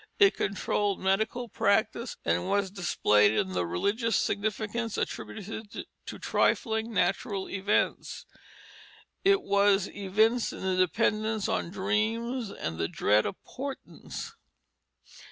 It controlled medical practice, and was displayed in the religious significance attributed to trifling natural events. It was evinced in the dependence on dreams, and the dread of portents.